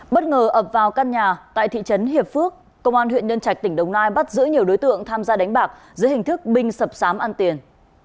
bất ngờ ập vào căn nhà tại thị trấn hiệp phước công an huyện nhân trạch tỉnh đồng nai bắt giữ nhiều đối tượng tham gia đánh bạc dưới hình thức binh sập sám ăn tiền